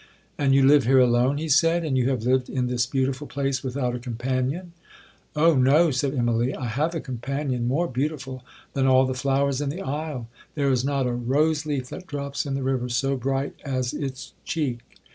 'And you live here alone,' he said, 'and you have lived in this beautiful place without a companion?'—'Oh no!' said Immalee, 'I have a companion more beautiful than all the flowers in the isle. There is not a rose leaf that drops in the river so bright as its cheek.